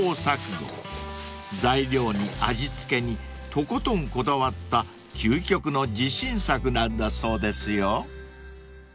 ［材料に味付けにとことんこだわった究極の自信作なんだそうですよ］